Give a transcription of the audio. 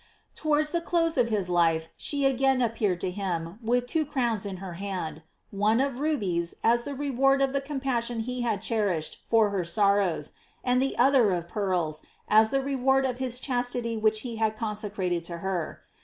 Towards tht close of his life, she again appeared to him, with two crowns in her hand : one of rubies, as the reward of the compassion he had cherished for her sorrows; and the other of pearls, as the reward of his chastity which be had consecrated to her.